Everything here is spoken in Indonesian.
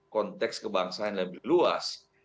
konteks kebangsaan lebih luas